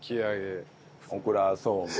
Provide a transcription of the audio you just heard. オクラそうめん。